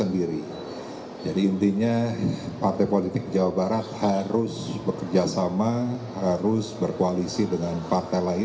dituntin e partai politik jawa barat harus bekerjasama harus berkoalisi dengan faktor lain